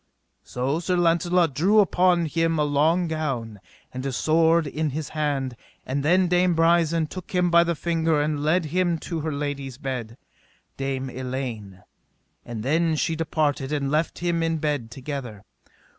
So Sir Launcelot threw upon him a long gown, and his sword in his hand; and then Dame Brisen took him by the finger and led him to her lady's bed, Dame Elaine; and then she departed and left them in bed together.